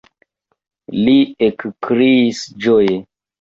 li ekkriis ĝoje.